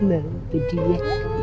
nah itu dia